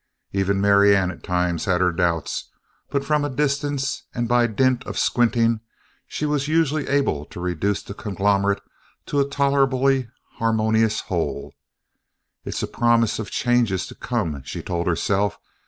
Even Marianne at times had her doubts, but from a distance and by dint of squinting, she was usually able to reduce the conglomerate to a tolerably harmonious whole. "It's a promise of changes to come," she told herself.